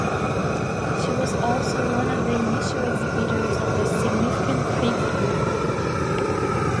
She was also one of the initial exhibitors of the significant Crypt Group.